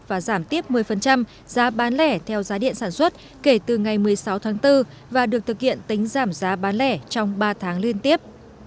và giảm tiếp một mươi giá bán lẻ theo giá điện sản xuất kể từ ngày một mươi sáu tháng bốn và được thực hiện tính giảm giá bán lẻ trong ba tháng liên tiếp